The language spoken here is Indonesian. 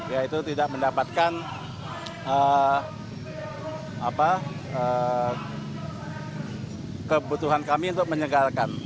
yaitu tidak mendapatkan kebutuhan kami untuk menyegarkan